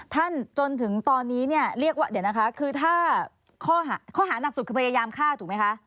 ท่านจนถึงตอนนี้เนี่ยขอหาหนักสุดคือไปยามฆ่าถูกไหมคะ